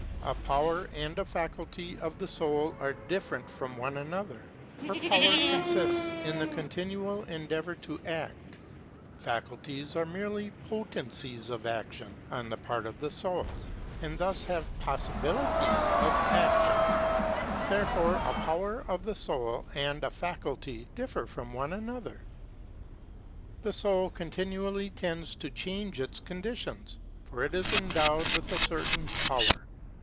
(§ 776, OntoL). § 54. A power and a faculty oj the soul are different from one another. For power consists in the continual endeavor to act (§ 724, OntoL). Faculties are merely potencies of action on the part of the soul (§ 29, Psych. Empir}), and thus have possibili tiesof action (§ 716, OntoL). Therefore a power of the soul and a faculty differ from one another (§ 183, OntoL). §56. The soul continuMly tends to change its conditions. For it is endowed v^ith a certain power.